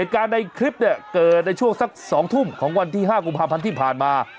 ในคลิปเนี่ยเกิดในช่วงสัก๒ทุ่มของวันที่๕กุมภาพันธ์ที่ผ่านมา